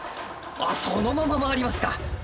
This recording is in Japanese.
あっそのまま回りますか。